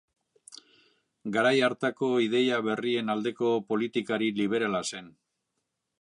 Garai hartako ideia berrien aldeko politikari liberala zen.